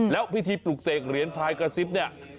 แล้วพิธีปลุกเสกเหรียญพายกระซิบเนี่ย